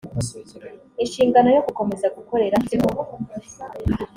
inshingano yo gukomeza gukorera ikigo